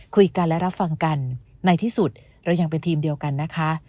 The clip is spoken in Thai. คุยกันและรับฟังกันในที่สุดเรายังเป็นทีมเดียวกันนะคะ